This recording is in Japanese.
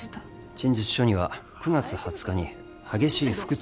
陳述書には９月２０日に激しい腹痛を覚えたとありますが。